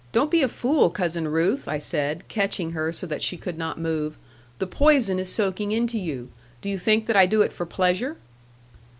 'Don't be a fool, Cousin Ruth,' I said, catching her so that she could not move; 'the poison is soaking into you. Do you think that I do it for pleasure?'